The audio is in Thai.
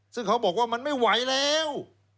ซึ่งเขาบอกว่ามันไม่ไหวแล้ว